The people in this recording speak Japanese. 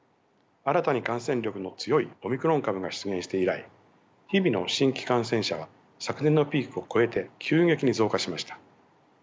新たに感染力の強いオミクロン株が出現して以来日々の新規感染者は昨年のピークを超えて急激に増加しました。